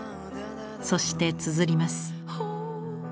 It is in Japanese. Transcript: そしてつづります。